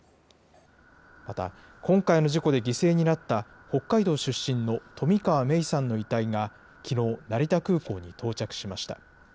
また、今回の事故で犠牲になった北海道出身の冨川芽生さんの遺体がきのう、成田空港に到着しました。